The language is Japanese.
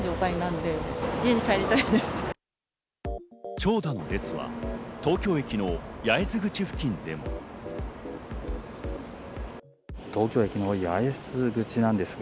長蛇の列は東京駅の八重洲口付近でも。